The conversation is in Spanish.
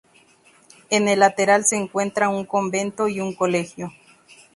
En el lateral se encuentra un convento y un Colegio.